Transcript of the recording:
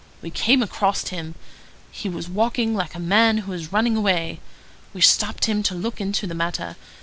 We came across him. He was walking like a man who is running away. We stopped him to look into the matter.